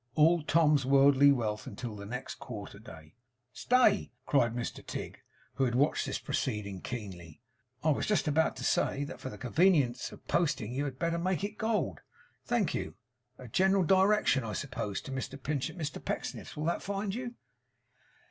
All Tom's worldly wealth until next quarter day. 'Stay!' cried Mr Tigg, who had watched this proceeding keenly. 'I was just about to say, that for the convenience of posting you had better make it gold. Thank you. A general direction, I suppose, to Mr Pinch at Mr Pecksniff's will that find you?